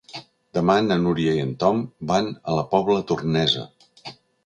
Demà na Núria i en Tom van a la Pobla Tornesa.